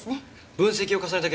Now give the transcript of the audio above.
分析を重ねた結果